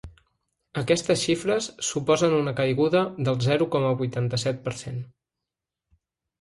Aquestes xifres suposen una caiguda del zero coma vuitanta-set per cent.